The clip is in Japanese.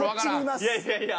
いやいやいや。